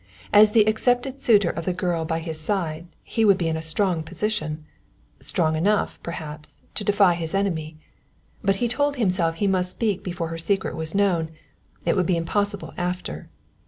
As the accepted suitor of the girl by his side he would be in a strong position strong enough, perhaps, to defy his enemy. But he told himself he must speak before her secret was known, it would be impossible after.